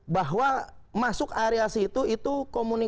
bahwa masuk area situ itu komunikasi memang sering